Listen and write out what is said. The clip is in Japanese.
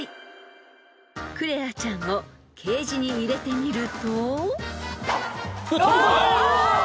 ［クレアちゃんをケージに入れてみると］